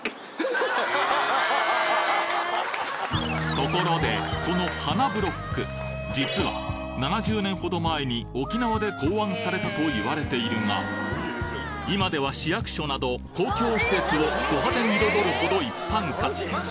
ところでこの花ブロック実は７０年ほど前に沖縄で考案されたと言われているが今では市役所など公共施設をド派手に彩るほど一般化